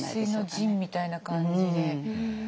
背水の陣みたいな感じで。